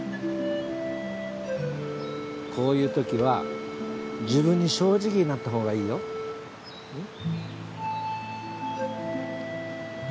こういうときは自分に正直になったほうがいいよん？